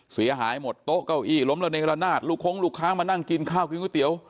เสียหายหมดโต๊ะเก้าอี้ล้มระเนรนาศลูกคงลูกค้ามานั่งกินข้าวกินก๋วยเตี๋ยว